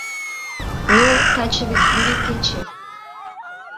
— Ну, таче вет Йӱри кече.